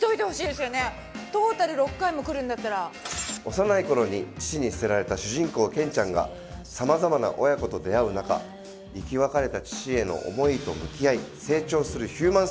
幼いころに父に捨てられた主人公ケンちゃんが様々な親子と出会う中生き別れた父への思いと向き合い成長するヒューマンストーリー。